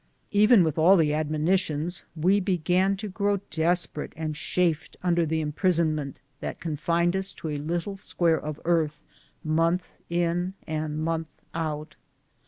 Even with all the admonitions, we began to grow desperate, and chafed under the imprisonment that confined us to a little square of earth month in and month out.